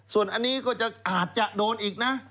ส่วนอันนี้ก็จะอาจจะโดนอีกนะ